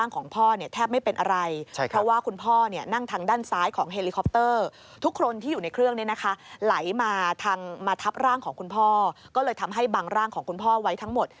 ก็เลยทำให้บังร่างของคุณพ่อเอาไว้ทั้งหมด